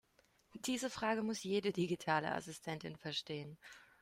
Diese Frage muss jede digitale Assistentin verstehen.